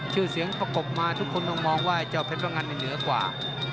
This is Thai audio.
ชื่อเสียงประกบมาทุกคนต้องมองว่าเจ้าเพชรพงันเหนือกว่า